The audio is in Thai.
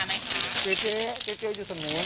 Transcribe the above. เดี๋ยวคุณเจ๊เจ๊มาไหมค่ะเจ๊เจ๊เจ๊เจ๊อยู่ทางเนี้ย